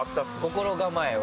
心構えは？